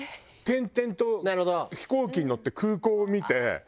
転々と飛行機に乗って空港を見て。